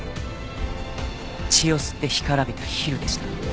血を吸って干からびたヒルでした。